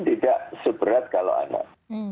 tidak seberat kalau anak